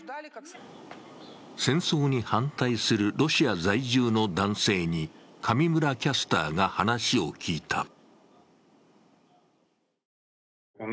戦争に反対するロシア在住の男性に上村キャスターが話を聞いた。